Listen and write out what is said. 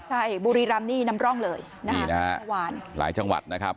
ใช่บุรีรำนี่นำร่องเลยนี่นะครับหลายจังหวัดนะครับ